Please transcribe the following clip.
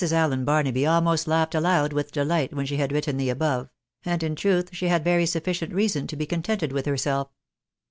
Allen Barnaby almost laughed aloud with delight, when she had written the above ; and in truth she had very sufficient reason to be contented with herself.